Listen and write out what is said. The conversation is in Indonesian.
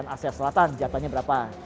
asia selatan jatahnya berapa